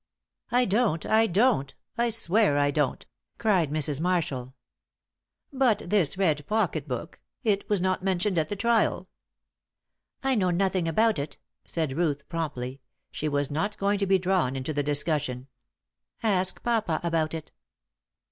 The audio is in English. "I don't I don't! I swear I don't!" cried Mrs. Marshall. "But this red pocket book it was not mentioned at the trial." "I know nothing about it," said Ruth, promptly; she was not going to be drawn into the discussion. "Ask papa about it."